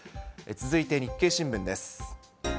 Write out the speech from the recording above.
続いて日経新聞です。